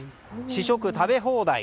試食食べ放題。